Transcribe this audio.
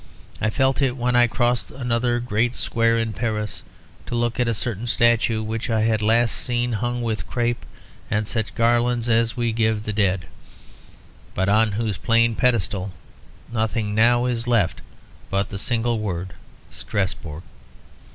I felt it when I crossed another great square in Paris to look at a certain statue, which I had last seen hung with crape and such garlands as we give the dead; but on whose plain pedestal nothing now is left but the single word "Strasbourg."